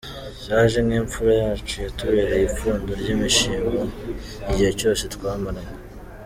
Sage nk’imfura yacu yatubereye ipfundo ry’ibyishimo igihe cyose twamaranye.